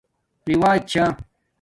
رِوج چھا